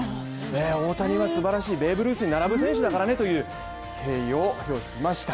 大谷はすばらしい、ベーブ・ルースに並ぶ選手だからねと敬意を表していました。